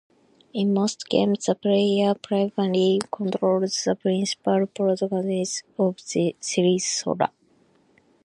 In most games, the player primarily controls the principal protagonist of the series, Sora.